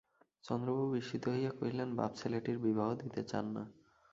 চন্দ্রবাবু বিস্মিত হইয়া কহিলেন, বাপ ছেলেটির বিবাহ দিতে চান না!